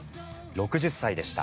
６０歳でした。